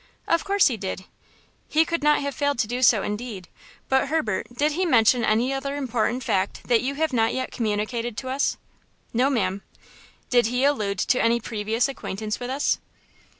"Of course he did." "He could not have failed to do so, indeed. But, Herbert, did he mention any other important fact that you have not yet communicated to us?" "No, ma'am." "Did he allude to any previous acquaintance with us?"